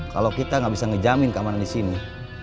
kalau kita gak bisa ngejamin keamanan disini